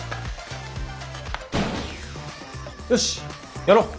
よしやろう。